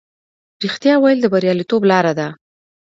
رښتیا ویل د بریالیتوب لاره ده.